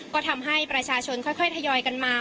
ก็ทำให้ประชาชนค่อยทยอยกันมา